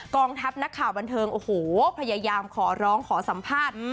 ทัพนักข่าวบันเทิงโอ้โหพยายามขอร้องขอสัมภาษณ์